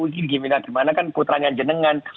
gimana gimana dimana kan putranya jenengan